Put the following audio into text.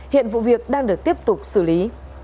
hiện vụ việc đang được tiếp tục xử lý